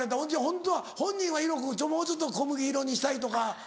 ホントは本人は色もうちょっと小麦色にしたいとか。